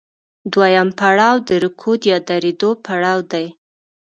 دویم پړاو د رکود یا درېدو پړاو دی